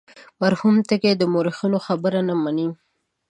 مرحوم تږی د مورخینو خبره نه مني.